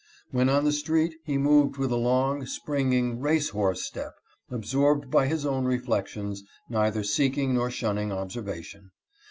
When on the street, he moved with a long, springing, race horse step, absorbed by his own reflections, neither seeking nor shunning observation.